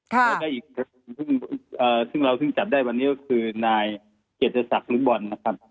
แล้วได้อีกคนซึ่งเราจับได้วันนี้ก็คือนายเกจสักลูกบอลนะครับ